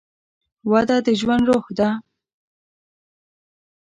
وده د ژوند روح ده.